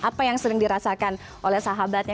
apa yang sering dirasakan oleh sahabatnya